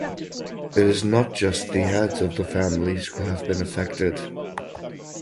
It is not just the heads of the families who have been affected.